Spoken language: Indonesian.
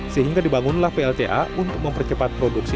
sehingga dibangunlah plta untuk mempercepat produksi